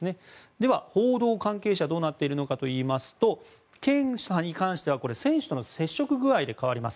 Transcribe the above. では、報道関係者がどうなっているのかといいますと検査に関しては、選手との接触具合で変わります。